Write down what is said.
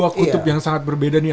dua kutub yang sangat berbeda nih